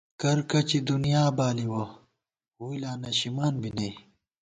کرکچی دُنئا بالُوَہ، ووئی لا نَشِمان بی نئ